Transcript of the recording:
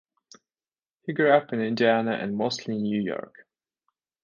He grew up in Indiana and mostly New York.